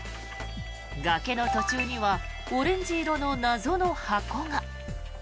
崖の途中にはオレンジ色の謎の箱が。